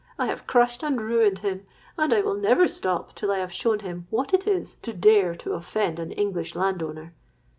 I have crushed and ruined him, and I will never stop till I have shown him what it is to dare to offend an English landowner.